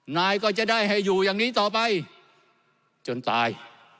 นายก็จะได้ให้อยู่อย่างนี้ต่อไปจนตาย